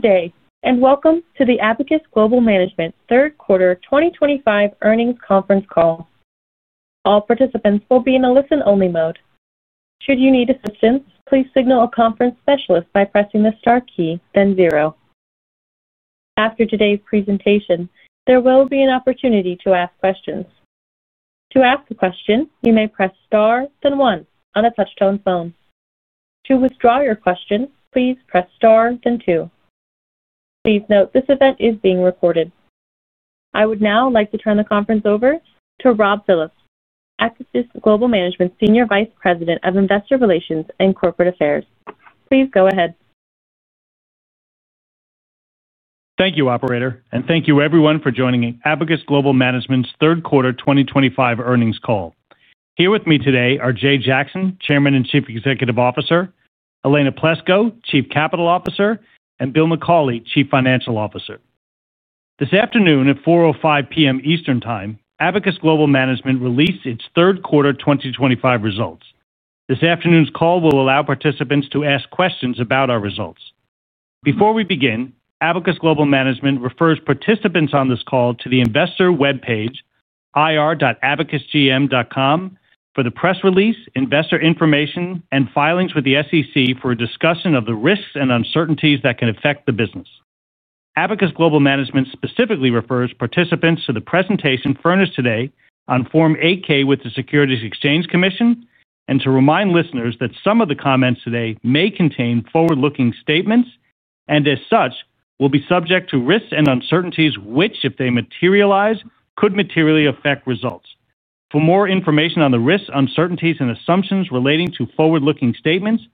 Good day, and welcome to the Abacus Global Management third quarter 2025 earnings conference call. All participants will be in a listen-only mode. Should you need assistance, please signal a conference specialist by pressing the star key, then zero. After today's presentation, there will be an opportunity to ask questions. To ask a question, you may press star, then one, on a touch-tone phone. To withdraw your question, please press star, then two. Please note this event is being recorded. I would now like to turn the conference over to Rob Phillips, Abacus Global Management Senior Vice President of Investor Relations and Corporate Affairs. Please go ahead. Thank you, Operator, and thank you, everyone, for joining Abacus Global Management's third quarter 2025 earnings call. Here with me today are Jay Jackson, Chairman and Chief Executive Officer; Elena Plesco, Chief capital Officer; and Bill McCauley, Chief Financial Officer. This afternoon at 4:05 P.M. Eastern Time, Abacus Global Management released its third quarter 2025 results. This afternoon's call will allow participants to ask questions about our results. Before we begin, Abacus Global Management refers participants on this call to the investor webpage, ir-abacusgm.com, for the press release, investor information, and filings with the U.S. SEC for a discussion of the risks and uncertainties that can affect the business. Abacus Global Management specifically refers participants to the presentation furnished today on Form 8-K with the U.S. Securities and Exchange Commission and to remind listeners that some of the comments today may contain forward-looking statements and, as such, will be subject to risks and uncertainties which, if they materialize, could materially affect results. For more information on the risks, uncertainties, and assumptions relating to forward-looking statements,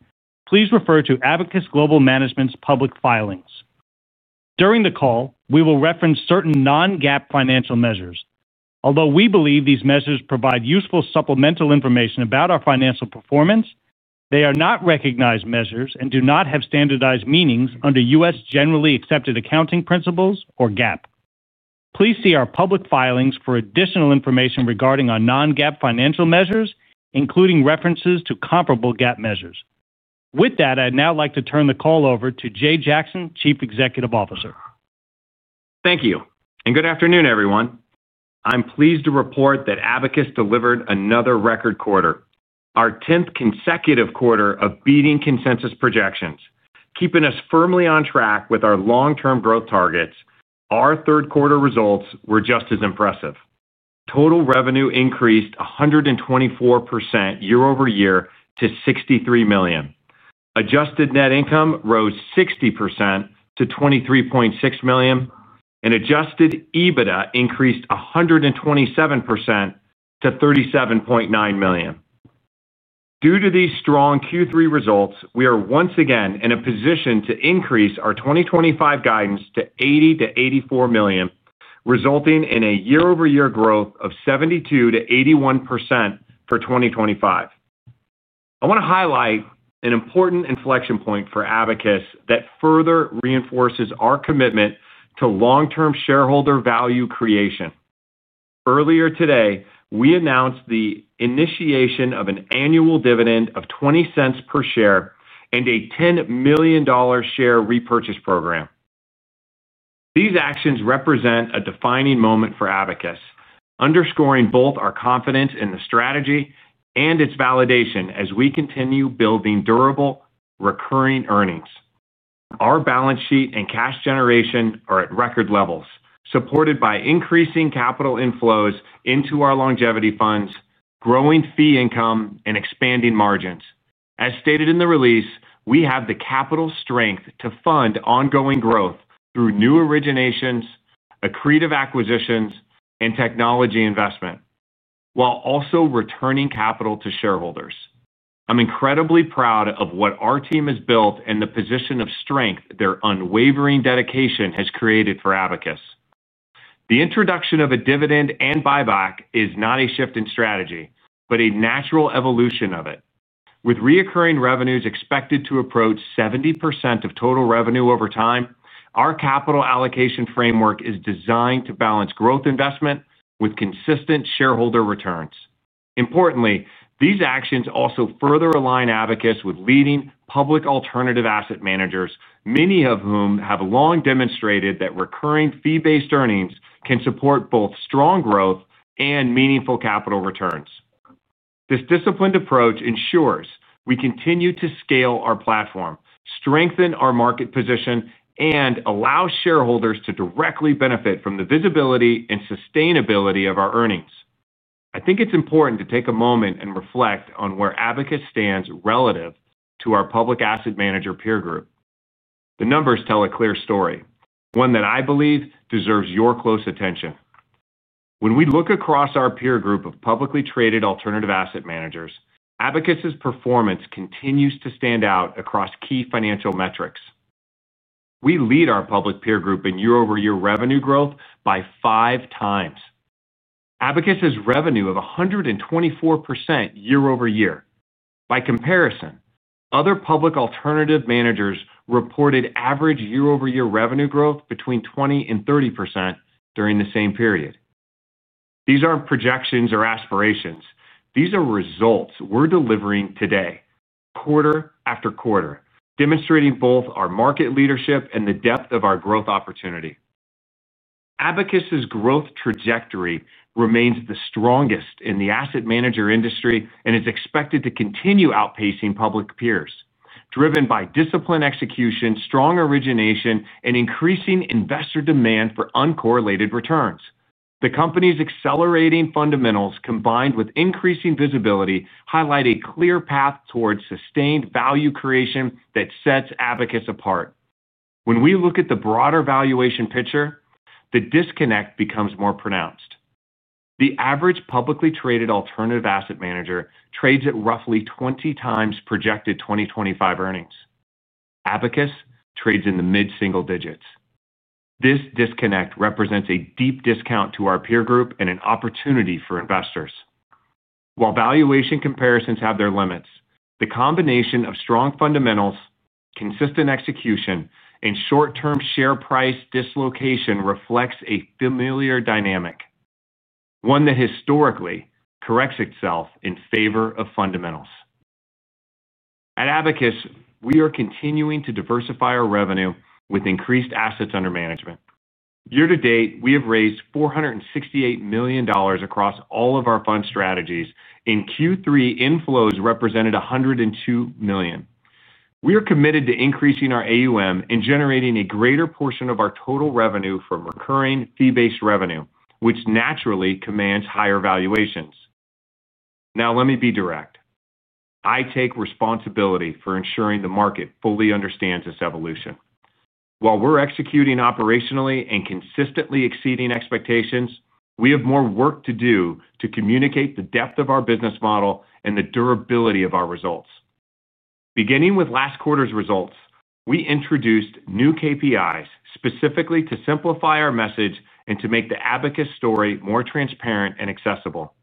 please refer to Abacus Global Management's public filings. During the call, we will reference certain non-GAAP financial measures. Although we believe these measures provide useful supplemental information about our financial performance, they are not recognized measures and do not have standardized meanings under U.S. generally accepted accounting principles or GAAP. Please see our public filings for additional information regarding our non-GAAP financial measures, including references to comparable GAAP measures. With that, I'd now like to turn the call over to Jay Jackson, Chief Executive Officer. Thank you, and good afternoon, everyone. I'm pleased to report that Abacus delivered another record quarter, our tenth consecutive quarter of beating consensus projections, keeping us firmly on track with our long-term growth targets. Our third quarter results were just as impressive. Total revenue increased 124% year-over-year to $63 million. Adjusted net income rose 60% to $23.6 million, and adjusted EBITDA increased 127% to $37.9 million. Due to these strong Q3 results, we are once again in a position to increase our 2025 guidance to $80 million-$84 million, resulting in a year-over-year growth of 72%-81% for 2025. I want to highlight an important inflection point for Abacus that further reinforces our commitment to long-term shareholder value creation. Earlier today, we announced the initiation of an annual dividend of $0.20 per share and a $10 million share repurchase program. These actions represent a defining moment for Abacus, underscoring both our confidence in the strategy and its validation as we continue building durable, recurring earnings. Our balance sheet and cash generation are at record levels, supported by increasing capital inflows into our longevity Funds, growing fee income, and expanding margins. As stated in the release, we have the capital strength to fund ongoing growth through new Originations, accretive acquisitions, and technology investment, while also returning capital to shareholders. I'm incredibly proud of what our team has built and the position of strength their unwavering dedication has created for Abacus. The introduction of a dividend and buyback is not a shift in strategy, but a natural evolution of it. With recurring revenues expected to approach 70% of total revenue over time, our capital allocation framework is designed to balance growth investment with consistent shareholder returns. Importantly, these actions also further align Abacus with leading public alternative asset managers, many of whom have long demonstrated that recurring fee-based earnings can support both strong growth and meaningful capital returns. This disciplined approach ensures we continue to scale our platform, strengthen our market position, and allow shareholders to directly benefit from the visibility and sustainability of our earnings. I think it's important to take a moment and reflect on where Abacus stands relative to our public asset manager peer group. The numbers tell a clear story, one that I believe deserves your close attention. When we look across our peer group of publicly traded alternative asset managers, Abacus's performance continues to stand out across key financial metrics. We lead our public peer group in year-over-year revenue growth by five times. Abacus has revenue of 124% year-over-year. By comparison, other public alternative managers reported average year-over-year revenue growth between 20% and 30% during the same period. These aren't projections or aspirations. These are results we're delivering today, quarter after quarter, demonstrating both our market leadership and the depth of our growth opportunity. Abacus's growth trajectory remains the strongest in the asset manager industry and is expected to continue outpacing public peers, driven by disciplined execution, strong Origination, and increasing investor demand for uncorrelated returns. The company's accelerating fundamentals, combined with increasing visibility, highlight a clear path towards sustained value creation that sets Abacus apart. When we look at the broader valuation picture, the disconnect becomes more pronounced. The average publicly traded alternative asset manager trades at roughly 20 times projected 2025 earnings. Abacus trades in the mid-single digits. This disconnect represents a deep discount to our peer group and an opportunity for investors. While valuation comparisons have their limits, the combination of strong fundamentals, consistent execution, and short-term share price dislocation reflects a familiar dynamic. One that historically corrects itself in favor of fundamentals. At Abacus, we are continuing to diversify our revenue with increased assets under management. Year to date, we have raised $468 million across all of our fund strategies, and Q3 inflows represented $102 million. We are committed to increasing our AUM and generating a greater portion of our total revenue from recurring fee-based revenue, which naturally commands higher valuations. Now, let me be direct. I take responsibility for ensuring the market fully understands this evolution. While we're executing operationally and consistently exceeding expectations, we have more work to do to communicate the depth of our business model and the durability of our results. Beginning with last quarter's results, we introduced new KPIs specifically to simplify our message and to make the Abacus story more transparent and accessible.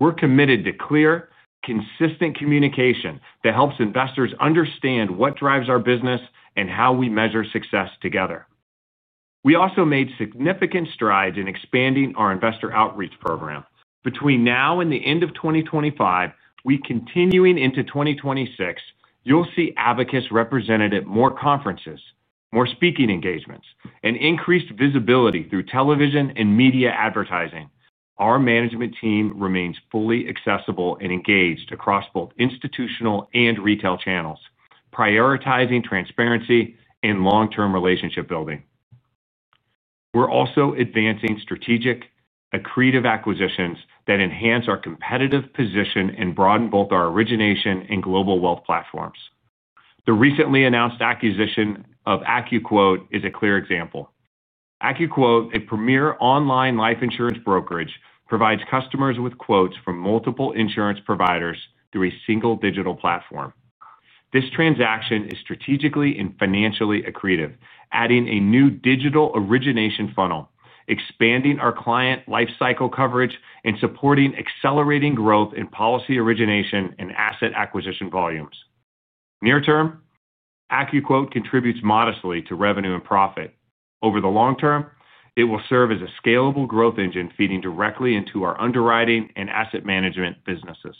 We're committed to clear, consistent communication that helps investors understand what drives our business and how we measure success together. We also made significant strides in expanding our investor outreach program. Between now and the end of 2025, we continuing into 2026, you'll see Abacus represented at more conferences, more speaking engagements, and increased visibility through television and media advertising. Our management team remains fully accessible and engaged across both institutional and retail channels, prioritizing transparency and long-term relationship building. We're also advancing strategic, accretive acquisitions that enhance our competitive position and broaden both our Origination and global wealth platforms. The recently announced acquisition of AccuQuote is a clear example. AccuQuote, a premier online life insurance brokerage, provides customers with quotes from multiple insurance providers through a single digital platform. This transaction is strategically and financially accretive, adding a new digital Origination funnel, expanding our client lifecycle coverage, and supporting accelerating growth in policy Origination and asset acquisition volumes. Near-term, AccuQuote contributes modestly to revenue and profit. Over the long term, it will serve as a scalable growth engine feeding directly into our underwriting and asset management businesses.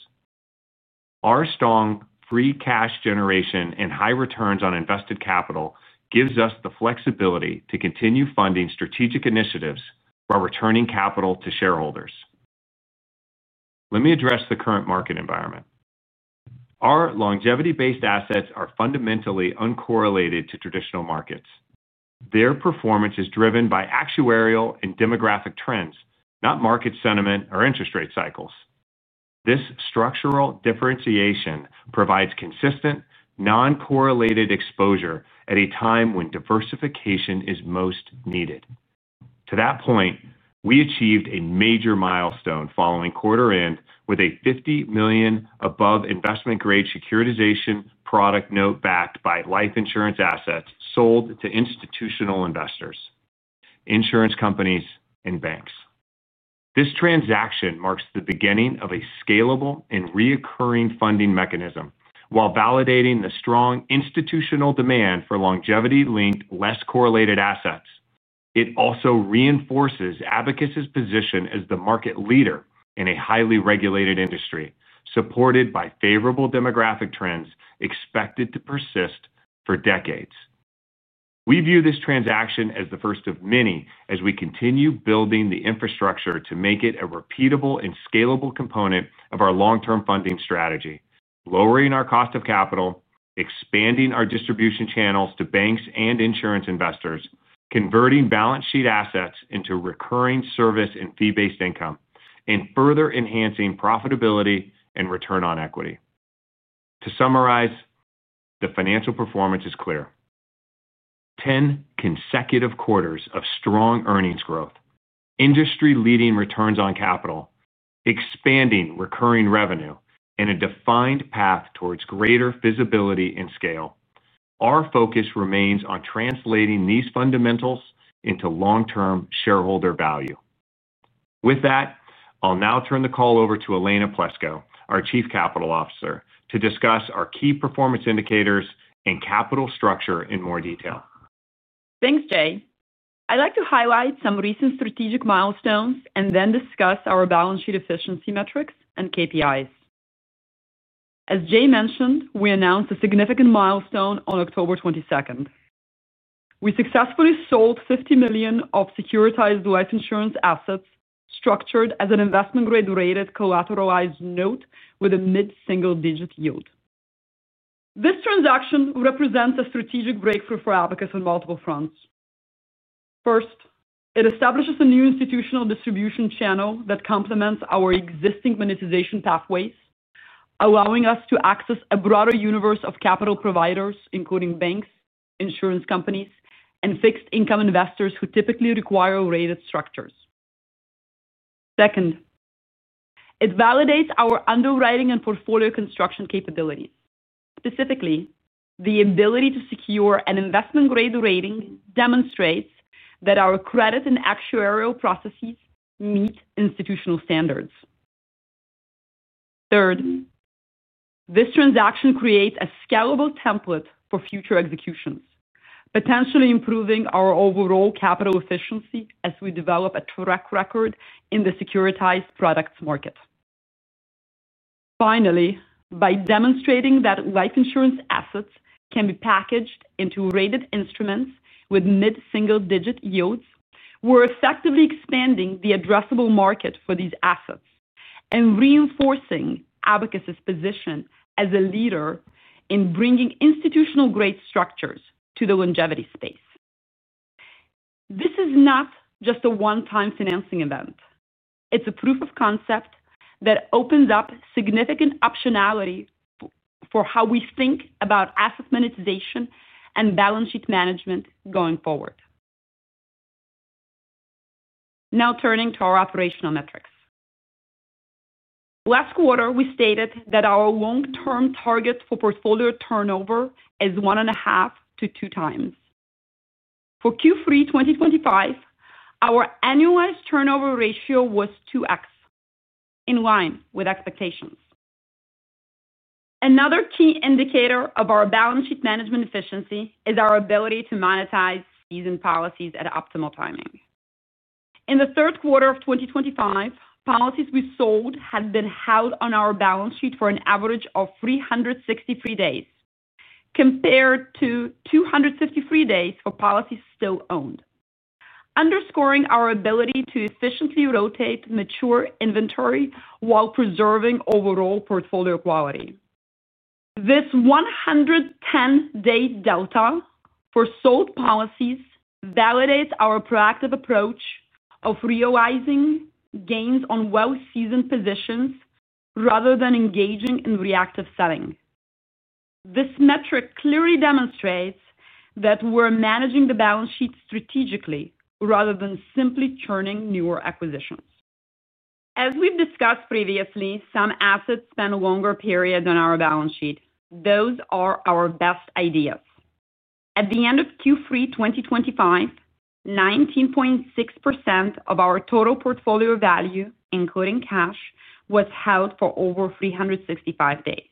Our strong free cash generation and high returns on invested capital give us the flexibility to continue funding strategic initiatives while returning capital to shareholders. Let me address the current market environment. Our longevity-based assets are fundamentally uncorrelated to traditional markets. Their performance is driven by actuarial and demographic trends, not market sentiment or interest rate cycles. This structural differentiation provides consistent, non-correlated exposure at a time when diversification is most needed. To that point, we achieved a major milestone following quarter-end with a $50 million above investment-grade securitization product note backed by life insurance assets sold to institutional investors, insurance companies, and banks. This transaction marks the beginning of a scalable and reoccurring funding mechanism while validating the strong institutional demand for longevity-linked, less correlated assets. It also reinforces Abacus's position as the market leader in a highly regulated industry, supported by favorable demographic trends expected to persist for decades. We view this transaction as the first of many as we continue building the infrastructure to make it a repeatable and scalable component of our long-term funding strategy, cost of capital, expanding our distribution channels to banks and insurance investors, converting balance sheet assets into recurring service and fee-based income, and further enhancing profitability and return on equity. To summarize, the financial performance is clear. 10 consecutive quarters of strong earnings growth, industry-leading returns on capital, expanding recurring revenue, and a defined path towards greater visibility and scale. Our focus remains on translating these fundamentals into long-term shareholder value. With that, I'll now turn the call over to Elena Plesco, our Chief capital Officer, to discuss our key performance indicators and capital structure in more detail. Thanks, Jay. I'd like to highlight some recent strategic milestones and then discuss our balance sheet efficiency metrics and KPIs. As Jay mentioned, we announced a significant milestone on October 22nd. We successfully sold $50 million of securitized life insurance assets structured as an investment-grade rated collateralized note with a mid-single digit yield. This transaction represents a strategic breakthrough for Abacus on multiple fronts. First, it establishes a new institutional distribution channel that complements our existing monetization pathways, allowing us to access a broader universe of capital providers, including banks, insurance companies, and fixed-income investors who typically require rated structures. Second, it validates our underwriting and portfolio construction capabilities. Specifically, the ability to secure an investment-grade rating demonstrates that our credit and actuarial processes meet institutional standards. Third. This transaction creates a scalable template for future executions, potentially improving our overall capital efficiency as we develop a track record in the securitized products market. Finally, by demonstrating that life insurance assets can be packaged into rated instruments with mid-single digit yields, we're effectively expanding the addressable market for these assets and reinforcing Abacus's position as a leader in bringing institutional-grade structures to the longevity space. This is not just a one-time financing event. It's a proof of concept that opens up significant optionality for how we think about asset monetization and balance sheet management going forward. Now, turning to our operational metrics. Last quarter, we stated that our long-term target for portfolio turnover is 1.5 to 2x. For Q3 2025, our annualized turnover ratio was 2x. In line with expectations. Another key indicator of our balance sheet management efficiency is our ability to monetize seasoned policies at optimal timing. In the third quarter of 2025, policies we sold had been held on our balance sheet for an average of 363 days, compared to 253 days for policies still owned, underscoring our ability to efficiently rotate mature inventory while preserving overall portfolio quality. This 110-day delta for sold policies validates our proactive approach of realizing gains on well-seasoned positions rather than engaging in reactive selling. This metric clearly demonstrates that we're managing the balance sheet strategically rather than simply churning newer acquisitions. As we've discussed previously, some assets spend a longer period on our balance sheet. Those are our best ideas. At the end of Q3 2025, 19.6% of our total portfolio value, including cash, was held for over 365 days.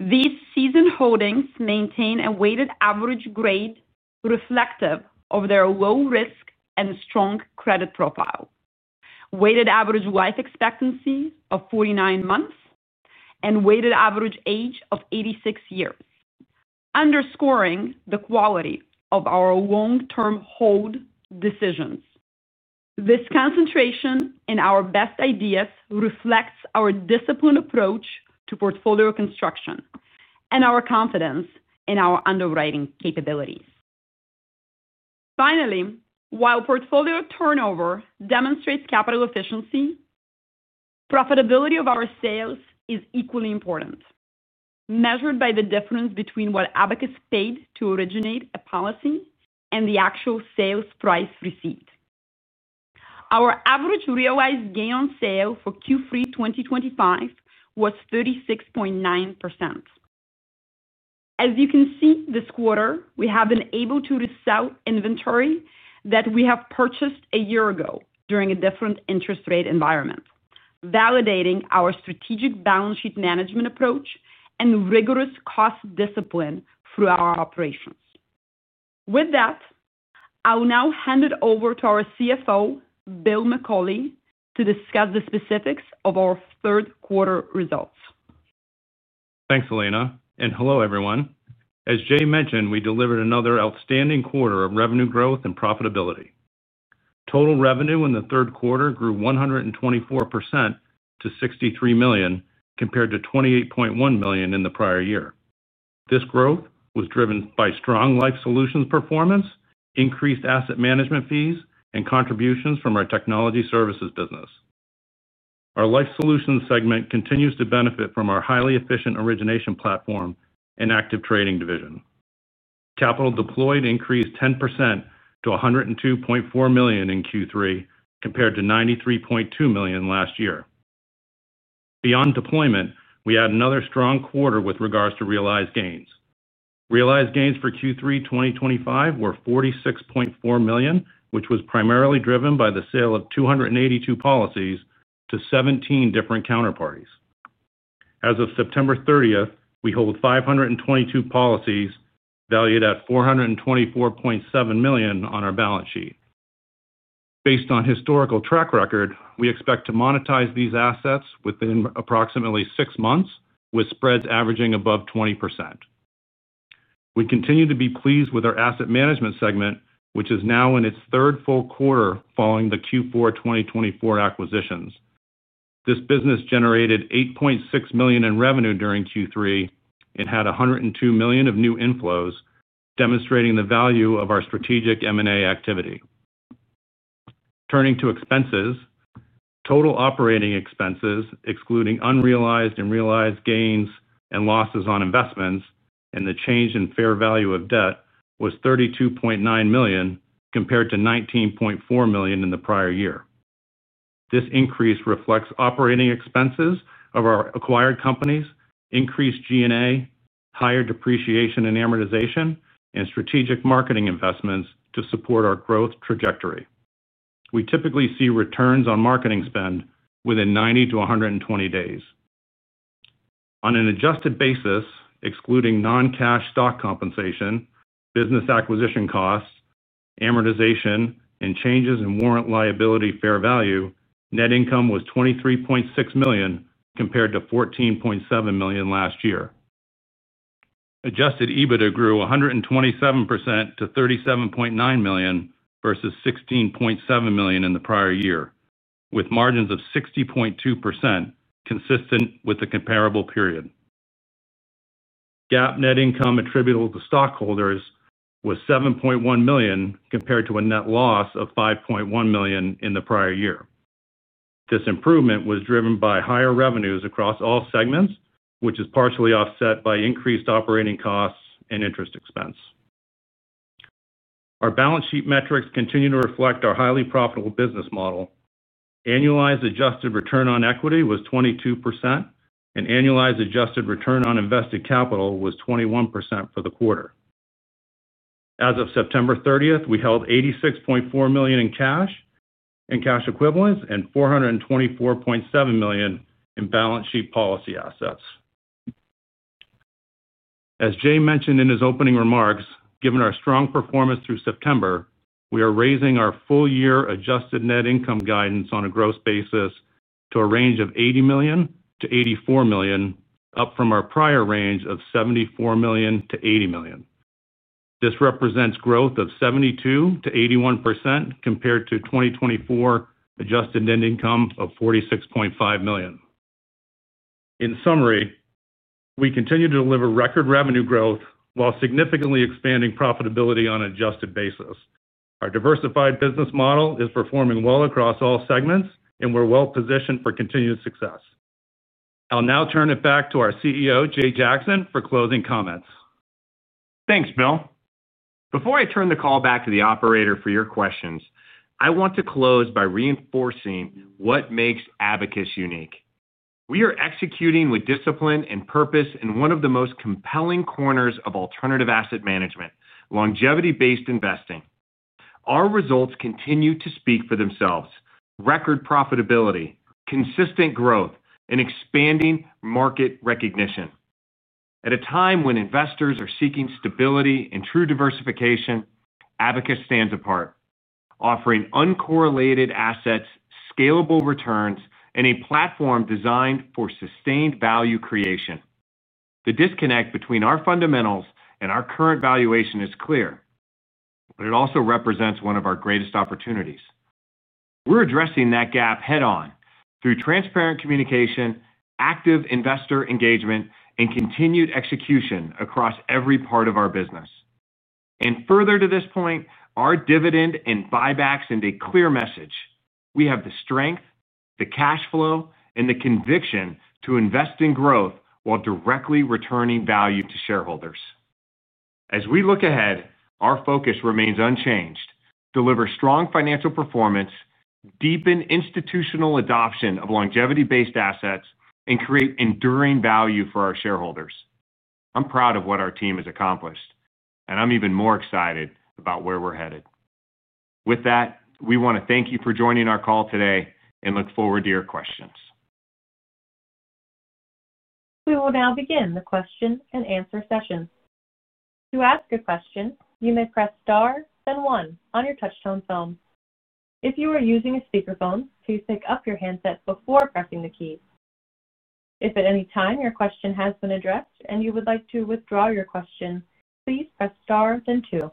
These seasoned holdings maintain a weighted average grade reflective of their low risk and strong credit profile, weighted average life expectancy of 49 months, and weighted average age of 86 years, underscoring the quality of our long-term hold decisions. This concentration in our best ideas reflects our disciplined approach to portfolio construction and our confidence in our underwriting capabilities. Finally, while portfolio turnover demonstrates capital efficiency, profitability of our sales is equally important, measured by the difference between what Abacus paid to originate a policy and the actual sales price received. Our average realized gain on sale for Q3 2025 was 36.9%. As you can see, this quarter, we have been able to resell inventory that we have purchased a year ago during a different interest rate environment, validating our strategic balance sheet management approach and rigorous cost discipline through our operations. With that. I'll now hand it over to our CFO, Bill McCauley, to discuss the specifics of our third quarter results. Thanks, Elena. Hello, everyone. As Jay mentioned, we delivered another outstanding quarter of revenue growth and profitability. Total revenue in the third quarter grew 124% to $63 million, compared to $28.1 million in the prior year. This growth was driven by strong Life Solutions performance, increased asset management fees, and contributions from our technology services business. Our Life Solutions segment continues to benefit from our highly efficient Origination platform and active trading division. capital deployed increased 10% to $102.4 million in Q3, compared to $93.2 million last year. Beyond deployment, we had another strong quarter with regards to realized gains. Realized gains for Q3 2025 were $46.4 million, which was primarily driven by the sale of 282 policies to 17 different counterparties. As of September 30, we hold 522 policies valued at $424.7 million on our balance sheet. Based on historical track record, we expect to monetize these assets within approximately six months, with spreads averaging above 20%. We continue to be pleased with our asset management segment, which is now in its third full quarter following the Q4 2024 acquisitions. This business generated $8.6 million in revenue during Q3 and had $102 million of new inflows, demonstrating the value of our strategic M&A activity. Turning to expenses, total operating expenses, excluding unrealized and realized gains and losses on investments and the change in fair value of debt, was $32.9 million, compared to $19.4 million in the prior year. This increase reflects operating expenses of our acquired companies, increased G&A, higher depreciation and amortization, and strategic marketing investments to support our growth trajectory. We typically see returns on marketing spend within 90-120 days. On an adjusted basis, excluding non-cash stock compensation, business acquisition costs, amortization, and changes in warrant liability fair value, net income was $23.6 million, compared to $14.7 million last year. Adjusted EBITDA grew 127% to $37.9 million versus $16.7 million in the prior year, with margins of 60.2%, consistent with the comparable period. GAAP net income attributable to stockholders was $7.1 million, compared to a net loss of $5.1 million in the prior year. This improvement was driven by higher revenues across all segments, which is partially offset by increased operating costs and interest expense. Our balance sheet metrics continue to reflect our highly profitable business model. Annualized adjusted return on equity was 22%, and annualized adjusted return on invested capital was 21% for the quarter. As of September 30th, we held $86.4 million in cash and cash equivalents and $424.7 million in balance sheet policy assets. As Jay mentioned in his opening remarks, given our strong performance through September, we are raising our full-year adjusted net income guidance on a gross basis to a range of $80 million-$84 million, up from our prior range of $74 million-$80 million. This represents growth of 72%-81%, compared to 2024 adjusted net income of $46.5 million. In summary, we continue to deliver record revenue growth while significantly expanding profitability on an adjusted basis. Our diversified business model is performing well across all segments, and we're well positioned for continued success. I'll now turn it back to our CEO, Jay Jackson, for closing comments. Thanks, Bill. Before I turn the call back to the operator for your questions, I want to close by reinforcing what makes Abacus unique. We are executing with discipline and purpose in one of the most compelling corners of alternative asset management, longevity-based investing. Our results continue to speak for themselves: record profitability, consistent growth, and expanding market recognition. At a time when investors are seeking stability and true diversification, Abacus stands apart, offering uncorrelated assets, scalable returns, and a platform designed for sustained value creation. The disconnect between our fundamentals and our current valuation is clear. It also represents one of our greatest opportunities. We're addressing that gap head-on through transparent communication, active investor engagement, and continued execution across every part of our business. Further to this point, our dividend and buybacks send a clear message: we have the strength, the cash flow, and the conviction to invest in growth while directly returning value to shareholders. As we look ahead, our focus remains unchanged: deliver strong financial performance, deepen institutional adoption of longevity-based assets, and create enduring value for our shareholders. I'm proud of what our team has accomplished, and I'm even more excited about where we're headed. With that, we want to thank you for joining our call today and look forward to your questions. We will now begin the question and answer session. To ask a question, you may press star, then one on your touch-tone phone. If you are using a speakerphone, please pick up your handset before pressing the key. If at any time your question has been addressed and you would like to withdraw your question, please press star, then two.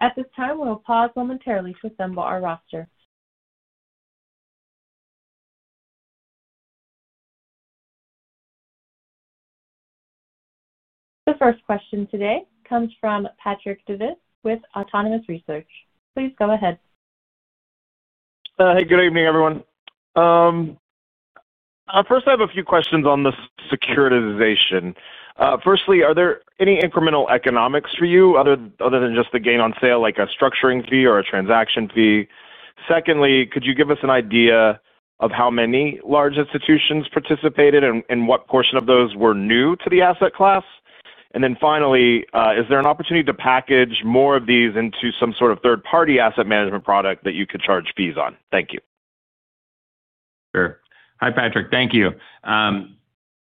At this time, we'll pause momentarily to assemble our roster. The first question today comes from Patrick Davitt with Autonomous Research. Please go ahead. Hey, good evening, everyone. First, I have a few questions on the securitization. Firstly, are there any incremental economics for you other than just the gain on sale, like a structuring fee or a transaction fee? Secondly, could you give us an idea of how many large institutions participated and what portion of those were new to the Asset Class? Finally, is there an opportunity to package more of these into some sort of third-party asset management product that you could charge fees on? Thank you. Sure. Hi, Patrick. Thank you.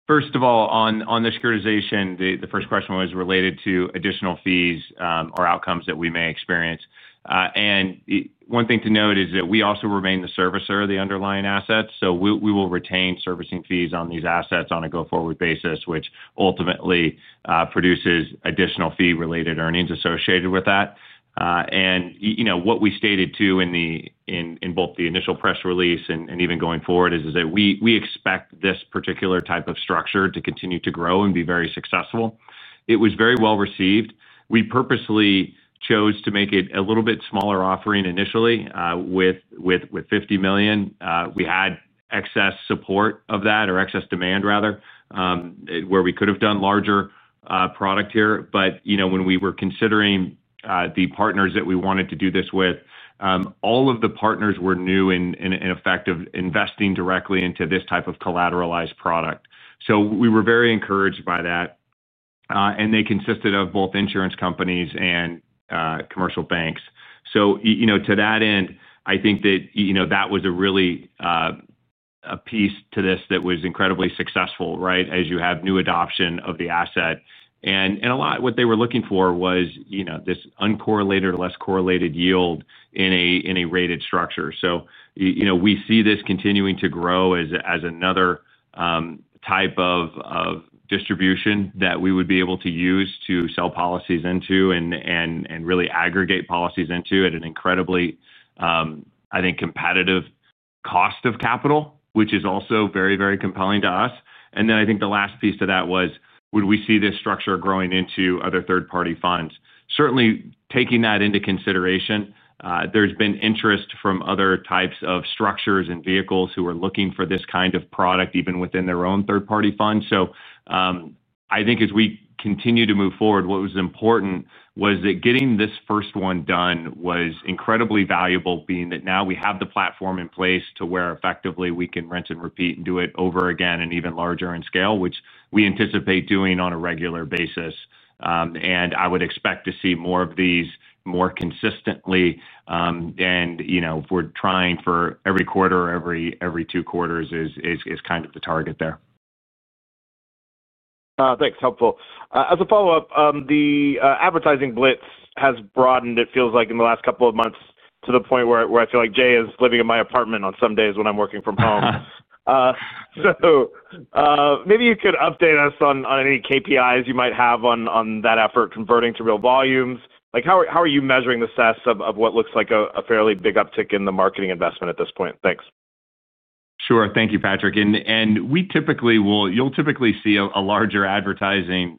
First of all, on the securitization, the first question was related to additional fees or outcomes that we may experience. One thing to note is that we also remain the servicer of the underlying assets. We will retain servicing fees on these assets on a go-forward basis, which ultimately produces additional fee-related earnings associated with that. What we stated too in both the initial press release and even going forward is that we expect this particular type of structure to continue to grow and be very successful. It was very well received. We purposely chose to make it a little bit smaller offering initially with $50 million. We had excess support of that, or excess demand, rather, where we could have done a larger product here. When we were considering the partners that we wanted to do this with. All of the partners were new and effective investing directly into this type of collateralized product. We were very encouraged by that. They consisted of both insurance companies and commercial banks. To that end, I think that that was really a piece to this that was incredibly successful, right, as you have new adoption of the asset. A lot of what they were looking for was this uncorrelated or less correlated yield in a rated structure. We see this continuing to grow as another type of distribution that we would be able to use to sell policies into and really aggregate policies into at an incredibly, I cost of capital, which is also very, very compelling to us. I think the last piece to that was, would we see this structure growing into other Third-Party Funds? Certainly, taking that into consideration, there's been interest from other types of structures and vehicles who are looking for this kind of product even within their own Third-Party Funds. I think as we continue to move forward, what was important was that getting this first one done was incredibly valuable, being that now we have the platform in place to where effectively we can rent and repeat and do it over again and even larger in scale, which we anticipate doing on a regular basis. I would expect to see more of these more consistently. We're trying for every quarter or every two quarters is kind of the target there. Thanks. Helpful. As a follow-up, the advertising blitz has broadened, it feels like, in the last couple of months to the point where I feel like Jay is living in my apartment on some days when I'm working from home. Maybe you could update us on any KPIs you might have on that effort converting to real volumes. How are you measuring the sense of what looks like a fairly big uptick in the marketing investment at this point? Thanks. Sure. Thank you, Patrick. You'll typically see larger advertising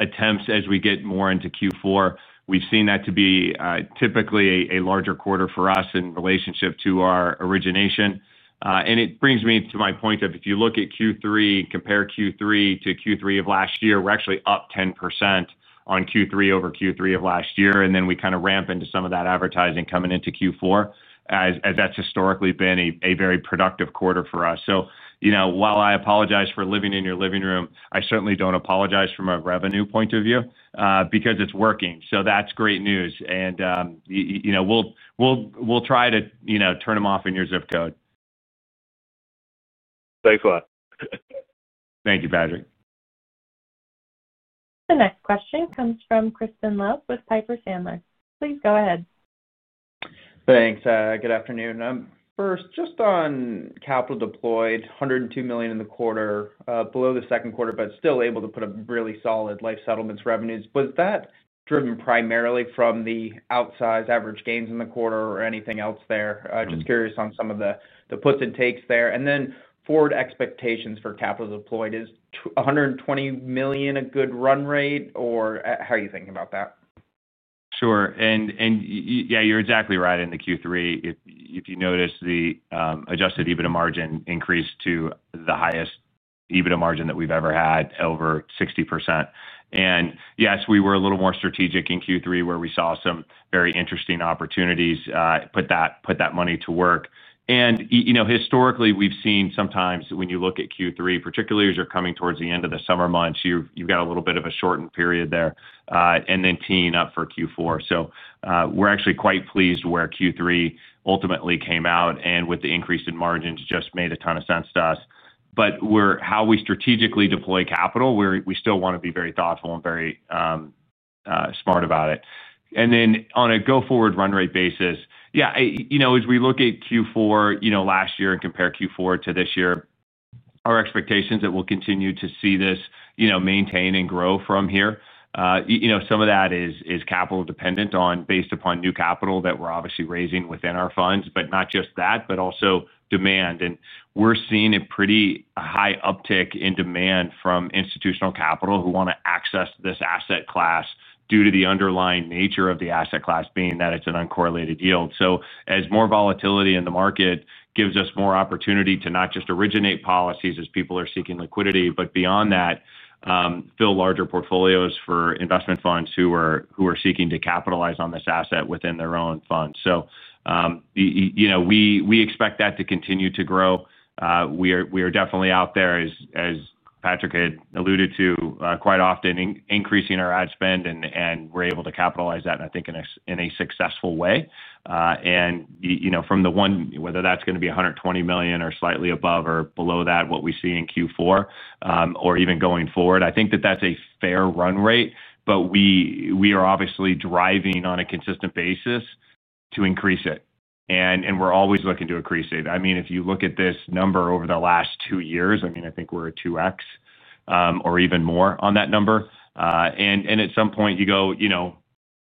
attempts as we get more into Q4. We've seen that to be typically a larger quarter for us in relationship to our Origination. It brings me to my point of if you look at Q3, compare Q3 to Q3 of last year, we're actually up 10% on Q3 over Q3 of last year. We kind of ramp into some of that advertising coming into Q4, as that's historically been a very productive quarter for us. While I apologize for living in your living room, I certainly don't apologize from a revenue point of view because it's working. That's great news. We'll try to turn them off in your Zip Code. Thanks a lot. Thank you, Patrick. The next question comes from Crispin Love with Piper Sandler. Please go ahead. Thanks. Good afternoon. First, just on capital deployed, $102 million in the quarter, below the second quarter, but still able to put up really solid life settlements revenues. Was that driven primarily from the outsized average gains in the quarter or anything else there? Just curious on some of the puts and takes there. And then forward expectations for capital deployed, is $120 million a good run rate, or how are you thinking about that? Sure. Yeah, you're exactly right. In the Q3, if you notice the Adjusted EBITDA margin increased to the highest EBITDA margin that we've ever had, over 60%. Yes, we were a little more strategic in Q3, where we saw some very interesting opportunities. Put that money to work. Historically, we've seen sometimes when you look at Q3, particularly as you're coming towards the end of the summer months, you've got a little bit of a shortened period there and then teeing up for Q4. We're actually quite pleased where Q3 ultimately came out and with the increase in margins just made a ton of sense to us. How we strategically deploy capital, we still want to be very thoughtful and very smart about it. On a go-forward run rate basis, yeah, as we look at Q4 last year and compare Q4 to this year, our expectation is that we'll continue to see this maintain and grow from here. Some of that is capital dependent based upon new capital that we're obviously raising within our Funds, but not just that, but also demand. We're seeing a pretty high uptick in demand from institutional capital who want to access this Asset Class due to the underlying nature of the Asset Class, being that it's an uncorrelated yield. As more volatility in the market gives us more opportunity to not just originate policies as people are seeking liquidity, but beyond that, fill larger Portfolios for Investment Funds who are seeking to capitalize on this asset within their own Funds. We expect that to continue to grow. We are definitely out there, as Patrick had alluded to quite often, increasing our ad spend, and we're able to capitalize that, I think, in a successful way. From the one, whether that's going to be $120 million or slightly above or below that, what we see in Q4 or even going forward, I think that that's a fair run rate. We are obviously driving on a consistent basis to increase it. We're always looking to increase it. I mean, if you look at this number over the last two years, I mean, I think we're a 2x. Or even more on that number. At some point, you go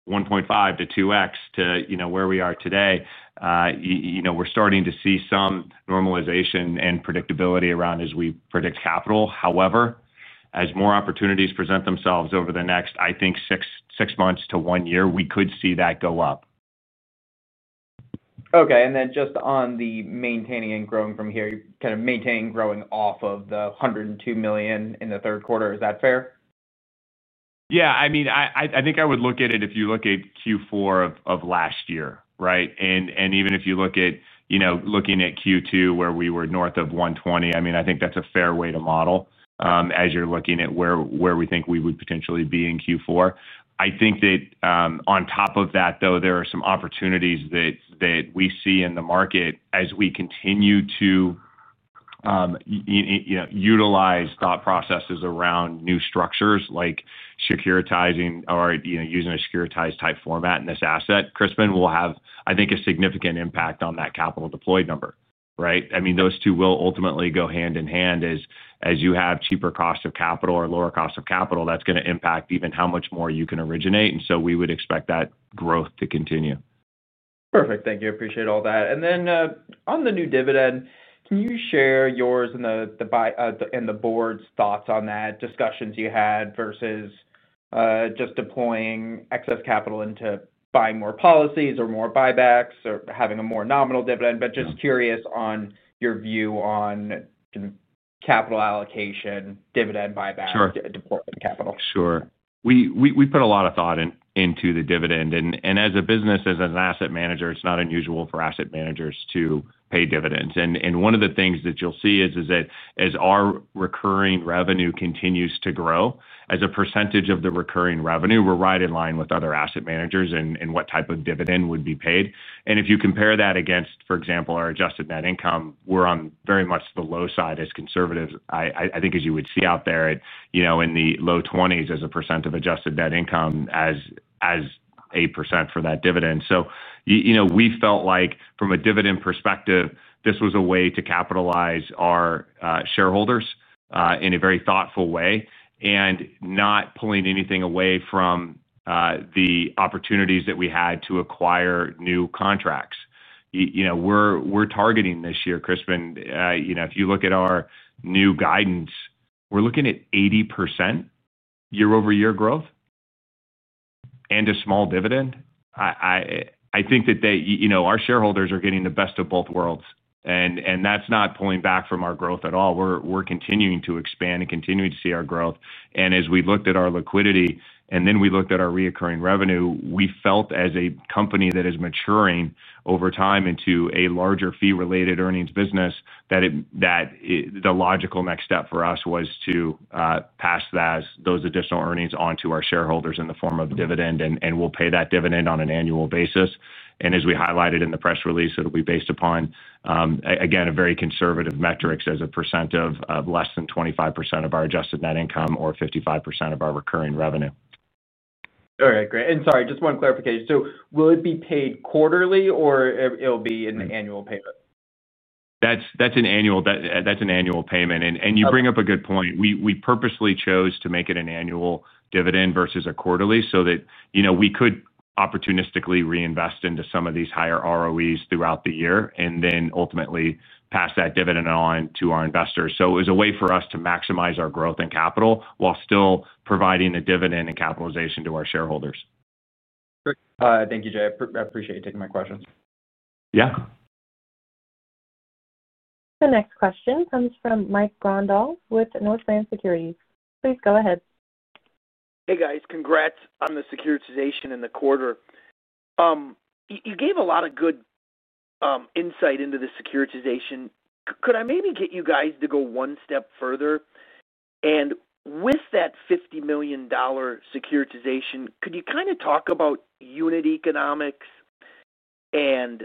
1.5-2x to where we are today. We're starting to see some normalization and predictability around as we predict capital. However, as more opportunities present themselves over the next, I think, six months to one year, we could see that go up. Okay. And then just on the maintaining and growing from here, kind of maintaining and growing off of the $102 million in the third quarter, is that fair? Yeah. I mean, I think I would look at it if you look at Q4 of last year, right? And even if you look at, looking at Q2, where we were north of $120, I mean, I think that's a fair way to model as you're looking at where we think we would potentially be in Q4. I think that on top of that, though, there are some opportunities that we see in the market as we continue to utilize thought processes around new structures like securitizing or using a securitized type format in this asset. Crispin will have, I think, a significant impact on that capital deployed number, right? I mean, those two will ultimately go hand in hand. As you cost of capital, that's going to impact even how much more you can originate. We would expect that growth to continue. Perfect. Thank you. Appreciate all that. On the new dividend, can you share yours and the Board's thoughts on that, discussions you had versus just deploying excess capital into buying more policies or more buybacks or having a more nominal dividend? Just curious on your view on capital allocation, dividend buyback, deployment of capital. Sure. We put a lot of thought into the dividend. As a business, as an asset manager, it's not unusual for asset managers to pay dividends. One of the things that you'll see is that as our recurring revenue continues to grow, as a percentage of the recurring revenue, we're right in line with other asset managers in what type of dividend would be paid. If you compare that against, for example, our adjusted net income, we're on very much the low side as conservatives. I think, as you would see out there, in the low 20s as a percecntage of adjusted net income as. 8% for that dividend. We felt like, from a dividend perspective, this was a way to capitalize our shareholders in a very thoughtful way and not pulling anything away from the opportunities that we had to acquire new contracts. We're targeting this year, Crispin, if you look at our new guidance, we're looking at 80% year-over-year growth. And a small dividend. I think that our shareholders are getting the best of both worlds. And that's not pulling back from our growth at all. We're continuing to expand and continuing to see our growth. And as we looked at our liquidity and then we looked at our recurring revenue, we felt, as a company that is maturing over time into a larger fee-related earnings business, that the logical next step for us was to pass those additional earnings onto our shareholders in the form of dividend, and we'll pay that dividend on an annual basis. And as we highlighted in the press release, it'll be based upon, again, a very conservative metric as a percent of less than 25% of our adjusted net income or 55% of our recurring revenue. All right. Great. Sorry, just one clarification. Will it be paid quarterly, or will it be an annual payment? That's an annual payment. You bring up a good point. We purposely chose to make it an annual dividend versus a quarterly so that we could opportunistically reinvest into some of these higher ROEs throughout the year and then ultimately pass that dividend on to our investors. It was a way for us to maximize our growth in capital while still providing a dividend and capitalization to our shareholders. Thank you, Jay. I appreciate you taking my questions. Yeah. The next question comes from Mike Grondahl with Northland Securities. Please go ahead. Hey, guys. Congrats on the securitization in the quarter. You gave a lot of good insight into the securitization. Could I maybe get you guys to go one step further? With that $50 million securitization, could you kind of talk about unit economics and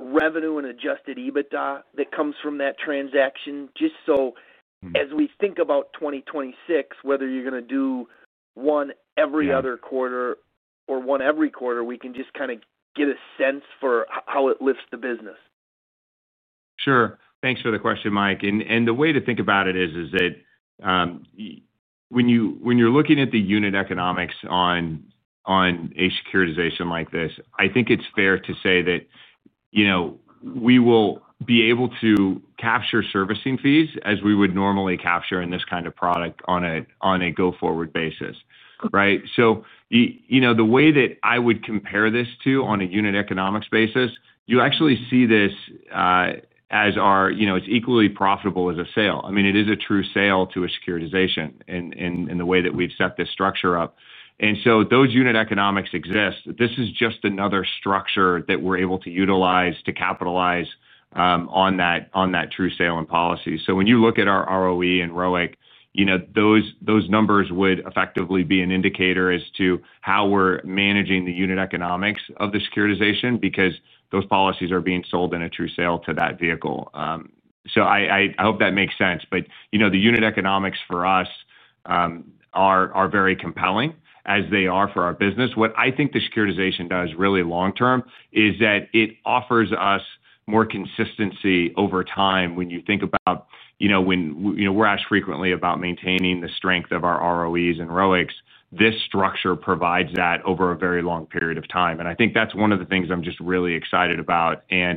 revenue and adjusted EBITDA that comes from that transaction? Just so as we think about 2026, whether you're going to do one every other quarter or one every quarter, we can just kind of get a sense for how it lifts the business. Sure. Thanks for the question, Mike. The way to think about it is that when you're looking at the unit economics on a securitization like this, I think it's fair to say that we will be able to capture servicing fees as we would normally capture in this kind of product on a go-forward basis, right? The way that I would compare this to on a unit economics basis, you actually see this as it's equally profitable as a sale. I mean, it is a true sale to a securitization in the way that we've set this structure up. Those unit economics exist. This is just another structure that we're able to utilize to capitalize on that true sale and policy. When you look at our ROE and ROIC, those numbers would effectively be an indicator as to how we're managing the unit economics of the securitization because those policies are being sold in a true sale to that vehicle. I hope that makes sense. The unit economics for us are very compelling as they are for our business. What I think the securitization does really long-term is that it offers us more consistency over time when you think about when we're asked frequently about maintaining the strength of our ROEs and ROICs. This structure provides that over a very long period of time. I think that's one of the things I'm just really excited about. As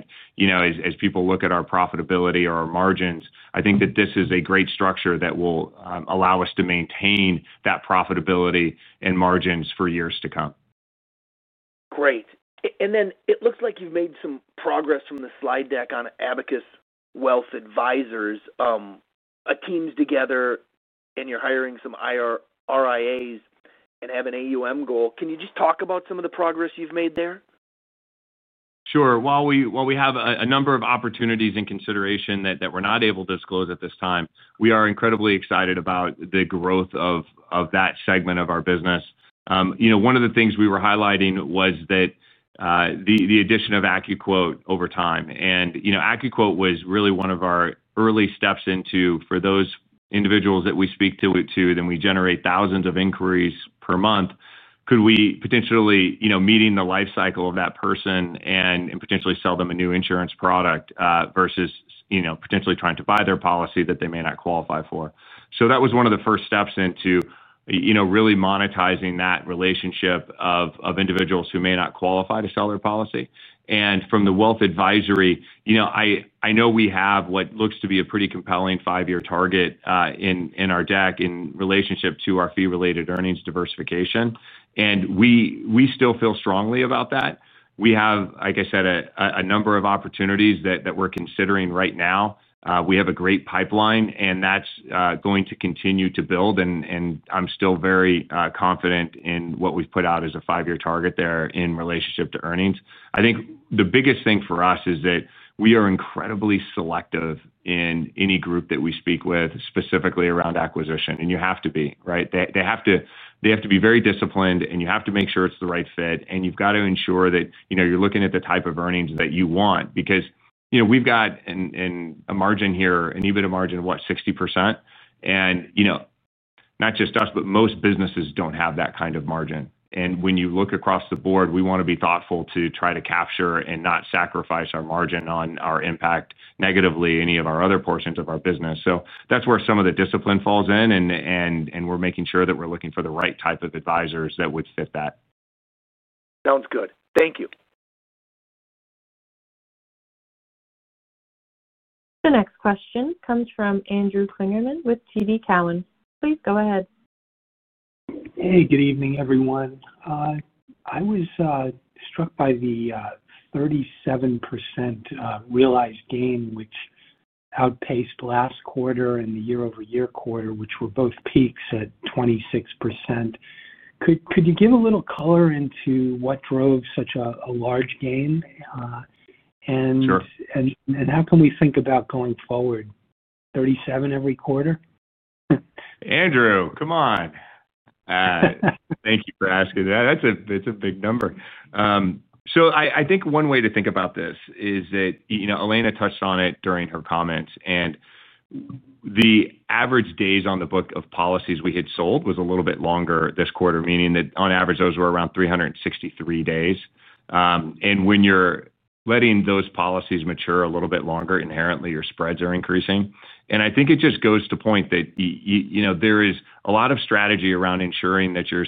people look at our profitability or our margins, I think that this is a great structure that will allow us to maintain that profitability and margins for years to come. Great. It looks like you've made some progress from the slide deck on Abacus Wealth Advisors. A teams together and you're hiring some RIAs and have an AUM goal. Can you just talk about some of the progress you've made there? Sure. While we have a number of opportunities in consideration that we're not able to disclose at this time, we are incredibly excited about the growth of that segment of our business. One of the things we were highlighting was that the addition of AccuQuote over time. And AccuQuote was really one of our early steps into, for those individuals that we speak to, that we generate thousands of inquiries per month, could we potentially meet the lifecycle of that person and potentially sell them a new insurance product versus potentially trying to buy their policy that they may not qualify for? That was one of the first steps into really monetizing that relationship of individuals who may not qualify to sell their policy. From the wealth advisory, I know we have what looks to be a pretty compelling five-year target in our deck in relationship to our fee-related earnings diversification. We still feel strongly about that. We have, like I said, a number of opportunities that we're considering right now. We have a great pipeline, and that's going to continue to build. I'm still very confident in what we've put out as a five-year target there in relationship to earnings. I think the biggest thing for us is that we are incredibly selective in any group that we speak with, specifically around acquisition. You have to be, right? They have to be very disciplined, and you have to make sure it's the right fit. You have to ensure that you're looking at the type of earnings that you want because we've got a margin here, an EBITDA margin of what, 60%? Not just us, but most businesses don't have that kind of margin. When you look across the board, we want to be thoughtful to try to capture and not sacrifice our margin or impact negatively any of our other portions of our business. That is where some of the discipline falls in. We're making sure that we're looking for the right type of advisors that would fit that. Sounds good. Thank you. The next question comes from Andrew Kligerman with TD Cowen. Please go ahead. Hey, good evening, everyone. I was struck by the 37% realized gain, which outpaced last quarter and the year-over-year quarter, which were both peaks at 26%. Could you give a little color into what drove such a large gain? How can we think about going forward, 37% every quarter? Andrew, come on. Thank you for asking that. That's a big number. I think one way to think about this is that Elena touched on it during her comments. The average days on the book of policies we had sold was a little bit longer this quarter, meaning that on average, those were around 363 days. When you're letting those policies mature a little bit longer, inherently, your spreads are increasing. I think it just goes to point that there is a lot of strategy around ensuring that you're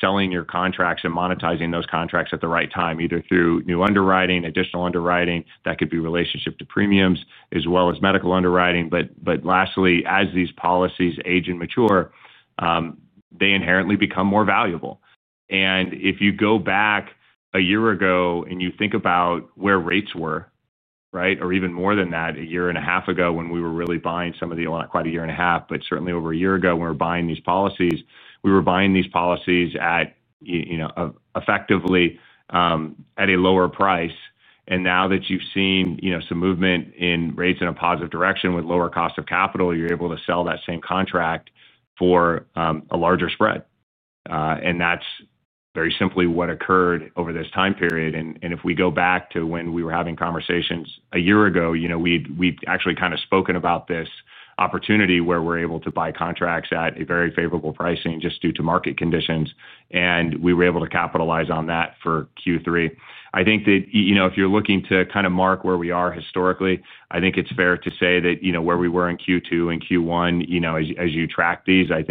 selling your contracts and monetizing those contracts at the right time, either through new underwriting, additional underwriting that could be relationship to premiums, as well as medical underwriting. Lastly, as these policies age and mature, they inherently become more valuable. If you go back a year ago and you think about where rates were, right, or even more than that, a year and a half ago when we were really buying some of the, well, not quite a year and a half, but certainly over a year ago when we were buying these policies, we were buying these policies at, effectively, a lower price. Now that you have seen some movement in rates in a positive direction cost of capital, you are able to sell that same contract for a larger spread. That is very simply what occurred over this time period. If we go back to when we were having conversations a year ago, we have actually kind of spoken about this opportunity where we are able to buy contracts at a very favorable pricing just due to market conditions. We were able to capitalize on that for Q3. I think that if you're looking to kind of mark where we are historically, I think it's fair to say that where we were in Q2 and Q1, as you track these, I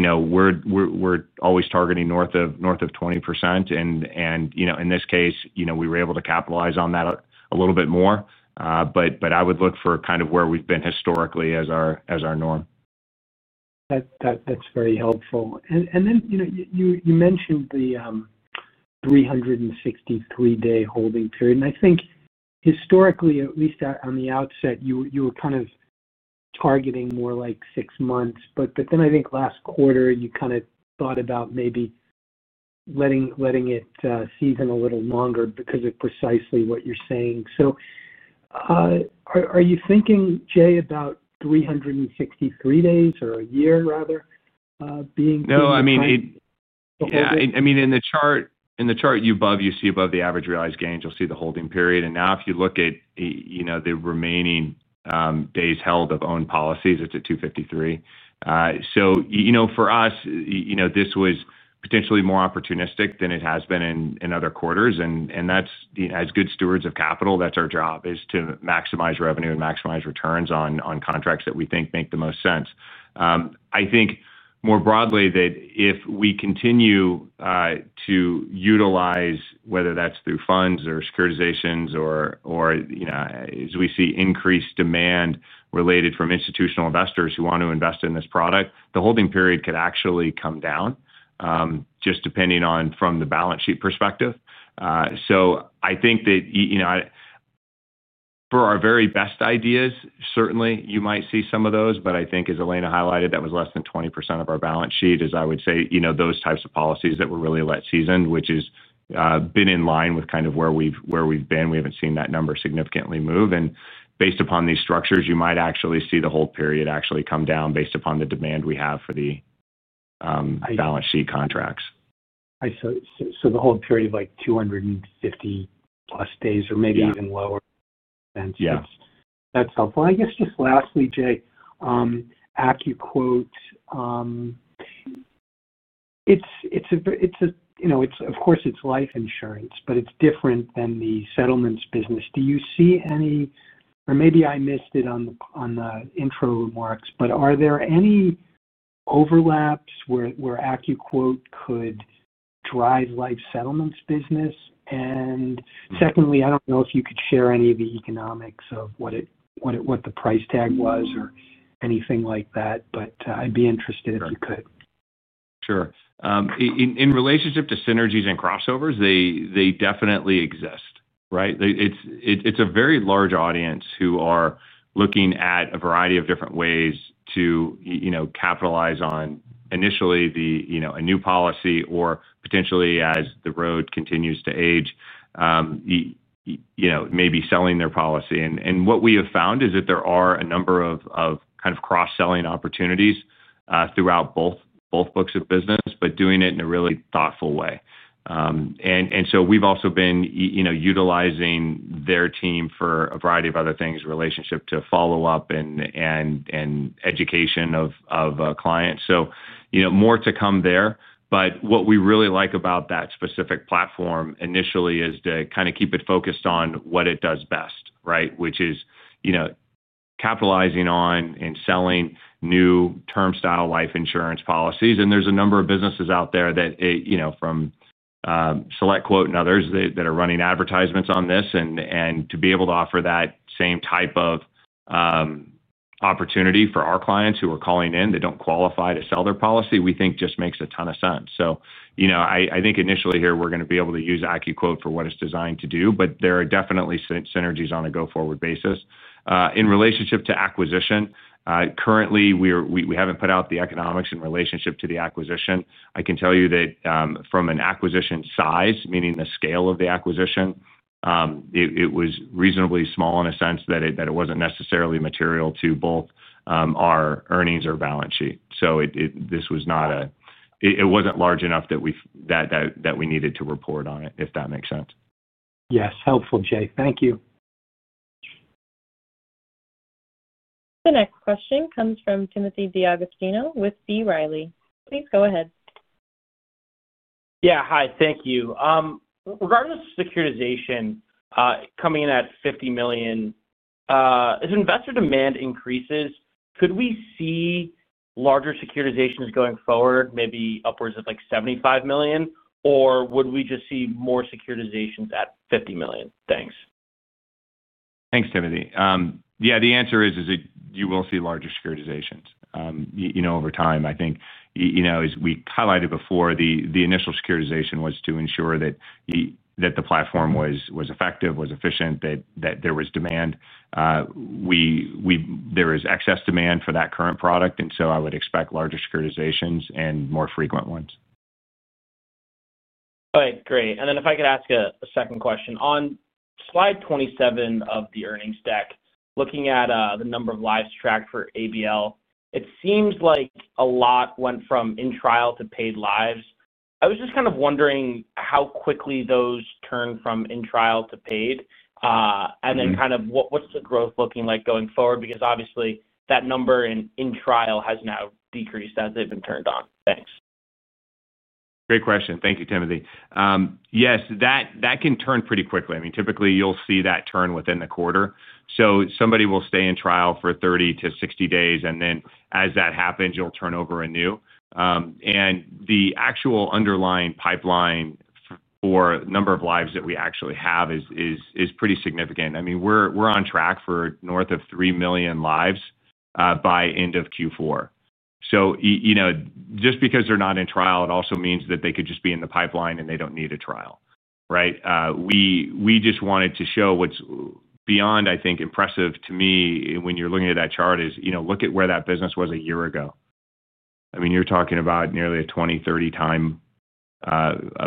think we're always targeting north of 20%. In this case, we were able to capitalize on that a little bit more. I would look for kind of where we've been historically as our norm. That's very helpful. You mentioned the 363-day holding period. I think, historically, at least on the outset, you were kind of targeting more like six months. I think last quarter, you kind of thought about maybe letting it season a little longer because of precisely what you're saying. Are you thinking, Jay, about 363 days or a year, rather, being— No, I mean. Yeah. I mean, in the chart. You see above the average realized gains, you'll see the holding period. And now if you look at the remaining days held of owned policies, it's at 253. For us, this was potentially more opportunistic than it has been in other quarters. As good stewards of capital, that's our job, is to maximize revenue and maximize returns on contracts that we think make the most sense. I think more broadly that if we continue to utilize, whether that's through Funds or securitizations or as we see increased demand related from institutional investors who want to invest in this product, the holding period could actually come down, just depending on from the balance sheet perspective. I think that for our very best ideas, certainly, you might see some of those. I think, as Elena highlighted, that was less than 20% of our balance sheet, as I would say, those types of policies that were really late-season, which has been in line with kind of where we've been. We haven't seen that number significantly move. Based upon these structures, you might actually see the hold period actually come down based upon the demand we have for the balance sheet contracts. The hold period of like 250+ days or maybe even lower. Yeah. That's helpful. I guess just lastly, Jay. AccuQuote. It's a—of course, it's life insurance, but it's different than the settlements business. Do you see any—or maybe I missed it on the intro remarks—but are there any overlaps where AccuQuote could drive life settlements business? And secondly, I don't know if you could share any of the economics of what the price tag was or anything like that, but I'd be interested if you could. Sure. In relationship to synergies and crossovers, they definitely exist, right? It's a very large audience who are looking at a variety of different ways to capitalize on initially a new policy or potentially, as the road continues to age, maybe selling their policy. What we have found is that there are a number of kind of cross-selling opportunities throughout both books of business, but doing it in a really thoughtful way. We have also been utilizing their team for a variety of other things, in relationship to follow-up and education of clients. More to come there. What we really like about that specific platform initially is to kind of keep it focused on what it does best, right, which is capitalizing on and selling new term-style life insurance policies. There are a number of businesses out there that, from. SelectQuote and others, that are running advertisements on this. To be able to offer that same type of opportunity for our clients who are calling in that do not qualify to sell their policy, we think just makes a ton of sense. I think initially here, we are going to be able to use AccuQuote for what it is designed to do. There are definitely synergies on a go-forward basis in relationship to acquisition. Currently, we have not put out the economics in relationship to the acquisition. I can tell you that from an acquisition size, meaning the scale of the acquisition, it was reasonably small in a sense that it was not necessarily material to both our earnings or balance sheet. This was not a—it was not large enough that we needed to report on it, if that makes sense. Yes. Helpful, Jay. Thank you. The next question comes from Timothy D'Agostino with B. Riley. Please go ahead. Yeah. Hi. Thank you. Regardless of securitization coming in at $50 million. As investor demand increases, could we see larger securitizations going forward, maybe upwards of like $75 million? Or would we just see more securitizations at $50 million? Thanks. Thanks, Timothy. Yeah. The answer is you will see larger securitizations over time. I think. As we highlighted before, the initial securitization was to ensure that the platform was effective, was efficient, that there was demand. There is excess demand for that current product. I would expect larger securitizations and more frequent ones. All right. Great. If I could ask a second question. On slide 27 of the earnings deck, looking at the number of lives tracked for ABL, it seems like a lot went from in trial to paid lives. I was just kind of wondering how quickly those turned from in trial to paid. What is the growth looking like going forward? Because obviously, that number in trial has now decreased as they have been turned on. Thanks. Great question. Thank you, Timothy. Yes. That can turn pretty quickly. I mean, typically, you'll see that turn within the quarter. Somebody will stay in trial for 30-60 days. As that happens, you'll turn over a new. The actual underlying pipeline for the number of lives that we actually have is pretty significant. I mean, we're on track for north of 3 million lives by end of Q4. Just because they're not in trial, it also means that they could just be in the pipeline and they don't need a trial, right? We just wanted to show what's beyond. I think impressive to me when you're looking at that chart is look at where that business was a year ago. I mean, you're talking about nearly a 20-30 time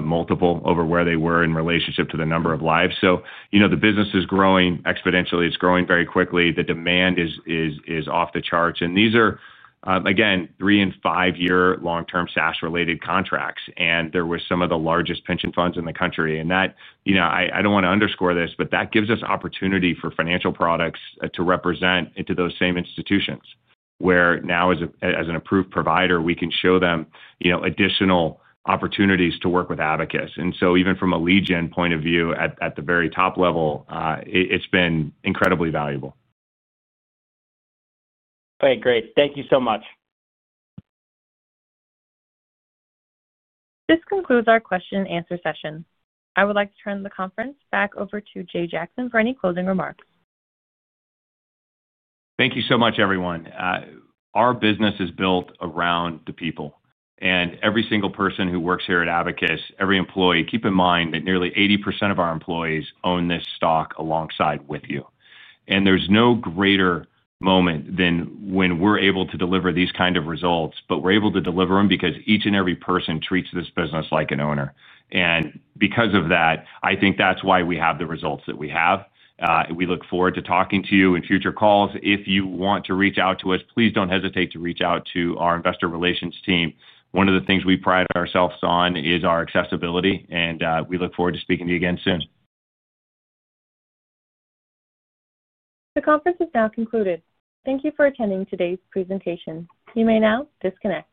multiple over where they were in relationship to the number of lives. The business is growing exponentially. It's growing very quickly. The demand is off the charts. These are, again, three- and five-year long-term SaaS-related contracts. There were some of the largest pension Funds in the country. I don't want to underscore this, but that gives us opportunity for financial products to represent into those same institutions where now, as an approved provider, we can show them additional opportunities to work with Abacus. Even from a lead gen point of view at the very top level, it's been incredibly valuable. All right. Great. Thank you so much. This concludes our question-and-answer session. I would like to turn the conference back over to Jay Jackson for any closing remarks. Thank you so much, everyone. Our business is built around the people. And every single person who works here at Abacus, every employee, keep in mind that nearly 80% of our employees own this stock alongside with you. There is no greater moment than when we're able to deliver these kinds of results. We are able to deliver them because each and every person treats this business like an owner. Because of that, I think that's why we have the results that we have. We look forward to talking to you in future calls. If you want to reach out to us, please don't hesitate to reach out to our investor relations team. One of the things we pride ourselves on is our accessibility. We look forward to speaking to you again soon. The conference is now concluded. Thank you for attending today's presentation. You may now disconnect.